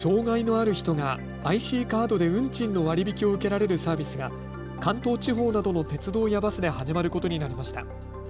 障害のある人がＩＣカードで運賃の割引を受けられるサービスが関東地方などの鉄道やバスで始まることになりました。